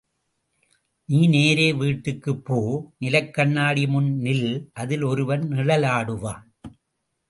நீ நேரே வீட்டுக்குப் போ நிலைக் கண்ணாடி முன் நில், அதில் ஒருவன் நிழலாடுவான்.